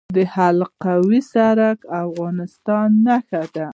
د حلقوي سړک افغانستان نښلوي